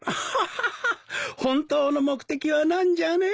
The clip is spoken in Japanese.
ハハハ本当の目的は何じゃね？